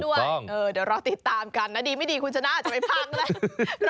เดี๋ยวรอติดตามกันนะดีไม่ดีคุณชนะจะไปพังเลย